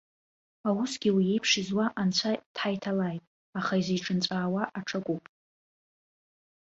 Аусгьы уи иеиԥш изуа анцәа дҳаиҭалааит, аха изиҿынҵәаауа аҽакуп.